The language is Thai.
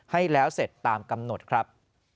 ให้แล้วเสร็จตามกำหนดครับ